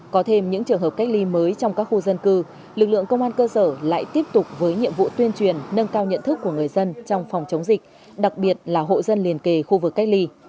có thêm những trường hợp cách ly mới trong các khu dân cư lực lượng công an cơ sở lại tiếp tục với nhiệm vụ tuyên truyền nâng cao nhận thức của người dân trong phòng chống dịch đặc biệt là hộ dân liền kề khu vực cách ly